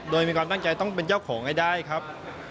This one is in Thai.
โดยมีความตั้งใจต้องเป็นเจ้าของให้ได้ครับ